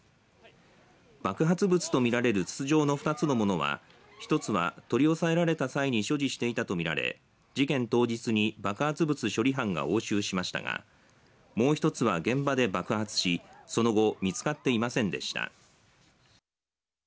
爆発物と見られる筒状の２つの物は１つは取り押さえられた際に所持していたと見られ事件当日に爆発物処理班が押収しましたがもう一つは現場で爆発し、その後見つかっていませんでした。